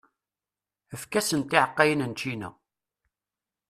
Efk-asen tiɛeqqayin n ččina.